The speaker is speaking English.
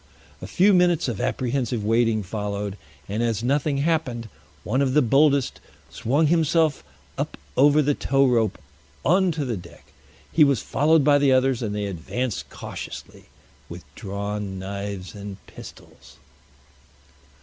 A few minutes of apprehensive waiting followed, and as nothing happened, one of the boldest swung himself up over the tow rope on to the deck. He was followed by the others, and they advanced cautiously with drawn knives and pistols.